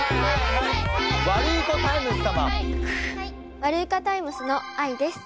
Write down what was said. ワルイコタイムスのあいです。